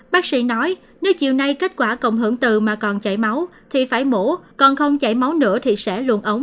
bác sĩ nói nếu chiều nay kết quả cộng hưởng từ mà còn chảy máu thì phải mổ còn không chảy máu nữa thì sẽ luồn ống